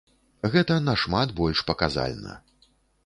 Гэта нашмат больш паказальна.